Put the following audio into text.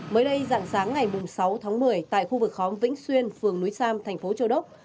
mới đây dạng sáng ngày sáu tháng một mươi tại khu vực khóm vĩnh xuyên phường núi sam thành phố châu đốc